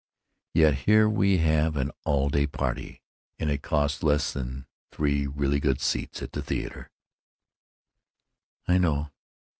Yet here we have an all day party, and it costs less than three really good seats at the theater." "I know.